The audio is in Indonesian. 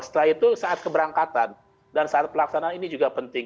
setelah itu saat keberangkatan dan saat pelaksanaan ini juga penting